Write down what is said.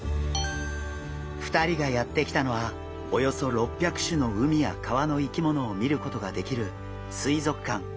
２人がやって来たのはおよそ６００種の海や川の生き物を見ることができる水族館。